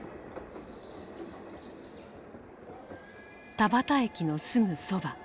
田端駅のすぐそば。